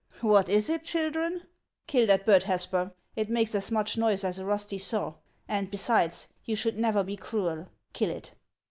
" What is it, children ?— Kill that bird, Haspar ; it makes as much noise as a rusty saw ; and besides, you should never be cruel. Kill it.